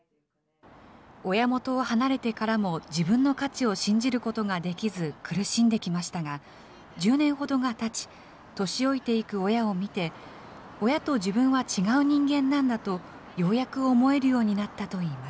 親元を離れてからも自分の価値を信じることができず、苦しんできましたが、１０年ほどがたち、年老いていく親を見て、親と自分は違う人間なんだとようやく思えるようになったといいま